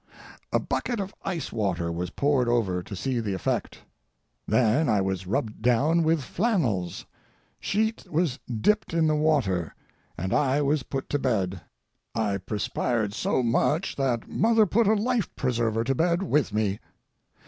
A bucket of ice water was poured over to see the effect. Then I was rubbed down with flannels, sheet was dipped in the water, and I was put to bed. I perspired so much that mother put a life preserver to bed with me.